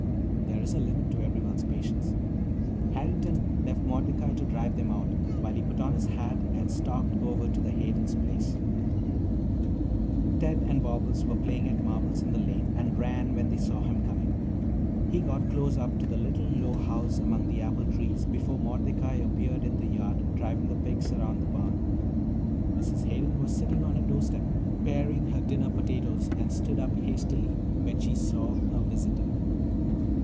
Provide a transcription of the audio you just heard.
There is a limit to everyone's patience. Harrington left Mordecai to drive them out, while he put on his hat and stalked over to the Haydens' place. Ted and Bobbles were playing at marbles in the lane and ran when they saw him coming. He got close up to the little low house among the apple trees before Mordecai appeared in the yard, driving the pigs around the barn. Mrs. Hayden was sitting on her doorstep, paring her dinner potatoes, and stood up hastily when she saw her visitor.